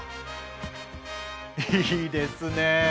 いいですね！